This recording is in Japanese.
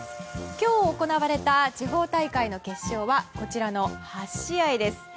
今日行われた地方大会の決勝はこちらの８試合です。